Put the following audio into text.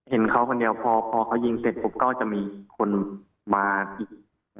เห็นเขาคนเดียวพอเขายิงเสร็จปุ๊บก็จะมีคนมาอีก